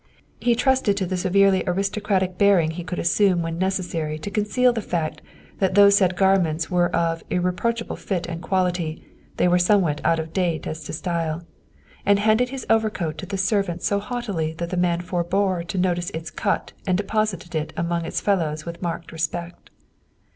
He trusted to the severely aristocratic bearing he could assume when necessary to conceal the fact that though said garments were of irre proachable fit and quality, they were somewhat out of date as to style, and handed his overcoat to the servant so haughtily that the man forebore to notice its cut and deposited it among its fellows with marked respect.